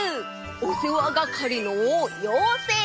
おせわがかりのようせい！